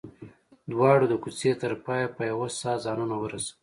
دواړو د کوڅې تر پايه په يوه ساه ځانونه ورسول.